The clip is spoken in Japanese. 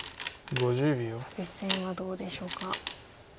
さあ実戦はどうでしょうか。